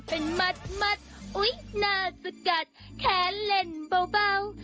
เป็นหมัดหมัดอุ๊ยหน้าจะกัดแค้นเล่นเบา